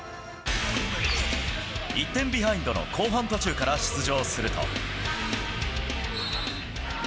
１点ビハインドの後半途中から出場すると。